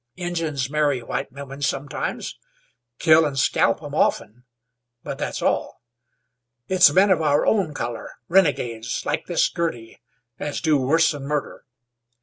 Injuns marry white women sometimes; kill an' scalp 'em often, but that's all. It's men of our own color, renegades like this Girty, as do worse'n murder."